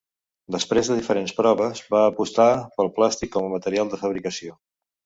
Després de diferents proves, va apostar pel plàstic com a material de fabricació.